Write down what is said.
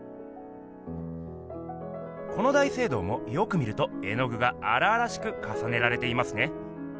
この大聖堂もよく見ると絵具があらあらしくかさねられていますね。